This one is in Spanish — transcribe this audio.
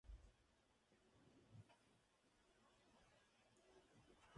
Además es dueño de un negocio de minería en Singapur e Indonesia.